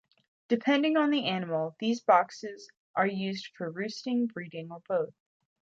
Depending on the animal, these boxes are used for roosting, breeding, or both.